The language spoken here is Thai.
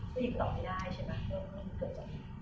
ก็ยังตอบไม่ได้ใช่ไหมเพราะว่ามันเกิดวัน